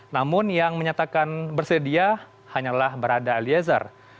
namun yang menyatakan bersedia hanyalah barada eliezer